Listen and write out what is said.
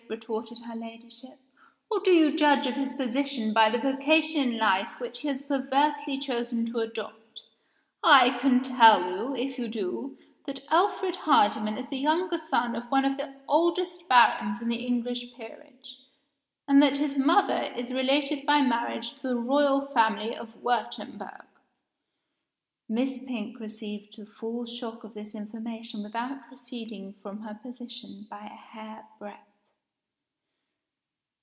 retorted her Ladyship. "Or do you judge of his position by the vocation in life which he has perversely chosen to adopt? I can tell you, if you do, that Alfred Hardyman is the younger son of one of the oldest barons in the English Peerage, and that his mother is related by marriage to the Royal family of Wurtemberg." Miss Pink received the full shock of this information without receding from her position by a hair breadth.